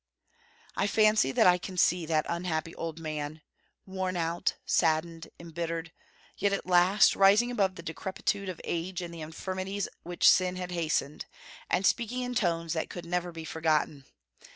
I fancy that I can see that unhappy old man, worn out, saddened, embittered, yet at last rising above the decrepitude of age and the infirmities which sin had hastened, and speaking in tones that could never be forgotten.